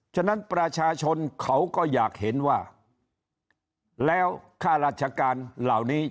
ฉะนั้นประชาชนเขาก็อยากเห็นว่าแล้วค่าราชการเหล่านี้